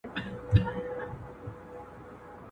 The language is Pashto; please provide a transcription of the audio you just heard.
ماشومان باید په ځان باور ولري.